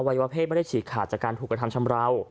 วัยวะเพศไม่ได้ฉีกขาดจากการถูกกระทำชำราว